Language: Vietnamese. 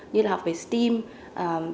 như học về sản phẩm